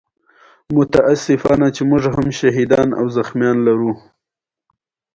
دغه لړۍ هر کال تکراریږي